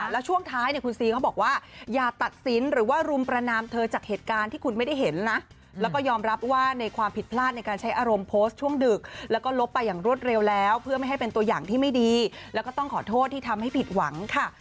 แล้วช่วงท้ายเนี่ยคุณซีเขาบอกว่าอย่าตัดสินหรือว่ารุมประนามเธอจากเหตุการณ์ที่คุณไม่ได้เห็นนะแล้วก็ยอมรับว่าในความผิดพลาดในการใช้อารมณ์โพสต์ช่วงดึกแล้วก็ลบไปอย่างรวดเร็วแล้วเพื่อไม่ให้เป็นตัวอย่างที่ไม่ดีแล้วก็ต้องขอโทษที่ทำให้ผิดหวังค่ะ